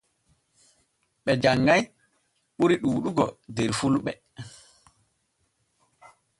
Ɓe janŋay ɓuri ɗuuɗugo der fulɓe.